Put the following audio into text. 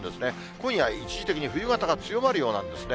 今夜、一時的に冬型が強まるようなんですね。